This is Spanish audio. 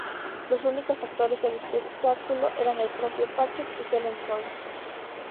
Los únicos actores del espectáculo eran el propio Patrick y Helen Troy.